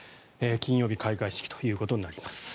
金曜日開会式ということになります。